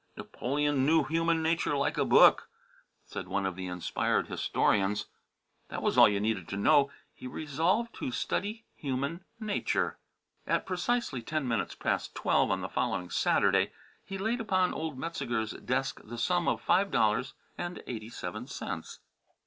"Napoleon knew human nature like a book," said one of the inspired historians. That was all you needed to know. He resolved to study human nature. At precisely ten minutes past twelve on the following Saturday he laid upon old Metzeger's desk the exact sum of five dollars and eighty seven cents.